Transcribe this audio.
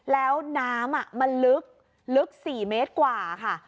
แล้วน้ำมันลึก๔เมตรกว่าค่ะ